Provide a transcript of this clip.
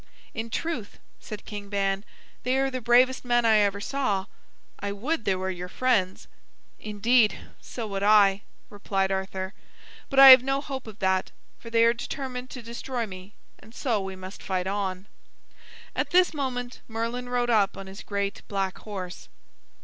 "In truth," said King Ban, "they are the bravest men I ever saw. I would they were your friends." "Indeed, so would I," replied Arthur; "but I have no hope of that, for they are determined to destroy me, and so we must fight on." At this moment Merlin rode up on his great black horse.